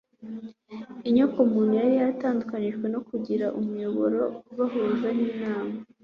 inyokomuntu yari yaratandukanijwe no kutagira umuyoboro ubahuza n'Imana;